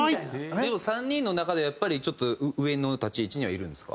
でも３人の中ではやっぱりちょっと上の立ち位置にはいるんですか？